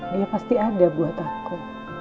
dia pasti ada buat aku